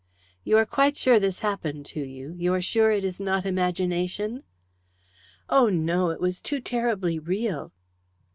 "You are quite sure this happened to you? You are sure it is not imagination?" "Oh, no, it was too terribly real."